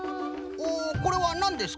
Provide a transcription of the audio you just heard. おおこれはなんですか？